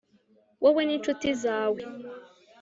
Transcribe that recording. wowe n'incuti zawe